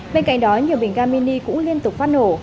bên cạnh đó nhiều bình ga mini cũng liên tục phát nổ